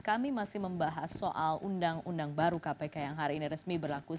kami masih membahas soal undang undang baru kpk yang hari ini resmi berlaku